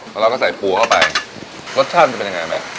แล้วเราก็ใส่ปูเข้าไปรสชาติจะเป็นยังไงไหม